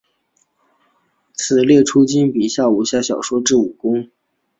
此列出金庸笔下武侠小说之武功。